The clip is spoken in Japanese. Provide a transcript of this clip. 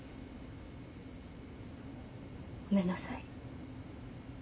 ごめんなさい。